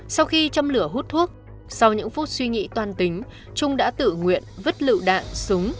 sau khi châm lửa hút thuốc sau những phút suy nghĩ toàn tính trung đã tự nguyện vứt lựu đạn súng